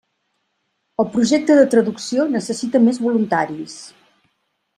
El projecte de traducció necessita més voluntaris.